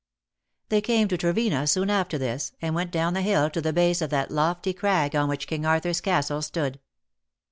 They came to Trevena soon after this^ and went down the hill to the base of that lofty crag on which King Arthur^s Castle stood.